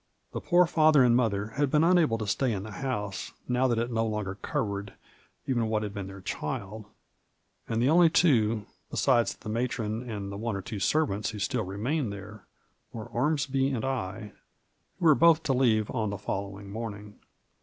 The poor father and mother had been nnable to stay in the house now that it no longer covered even what had been their child, and the only two, besides the ma tron and one or two servants who still remained there, were Ormsby and I, who were both to leave on the fol lowing morning.